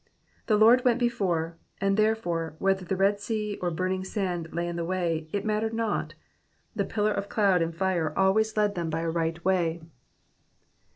The Lord went before, and, therefore, whether the Red Sea or burning sand lay in the way, it mattered not ; the pillar of cloud and iire always led them by a right way.